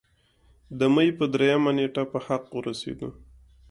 د مۍ پۀ دريمه نېټه پۀ حق اورسېدو